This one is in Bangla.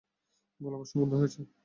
গোলাবর্ষণ বন্ধ হয়েছে।